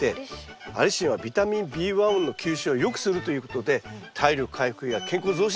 アリシンはビタミンＢ１の吸収を良くするということで体力回復や健康増進。